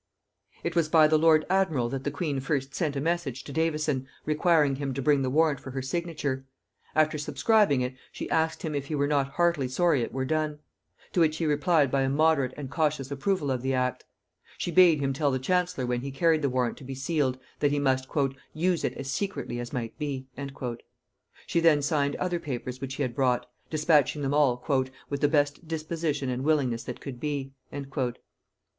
It was by the lord admiral that the queen first sent a message to Davison requiring him to bring the warrant for her signature; after subscribing it, she asked him if he were not heartily sorry it were done? to which he replied by a moderate and cautious approval of the act. She bade him tell the chancellor when he carried the warrant to be sealed, that he must "use it as secretly as might be." She then signed other papers which he had brought; dispatching them all "with the best disposition and willingness that could be."